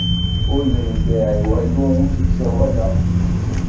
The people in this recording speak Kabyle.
Ur yenfiɛ i walu usegzawal-ayi.